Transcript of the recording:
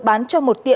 bán cho một tài sản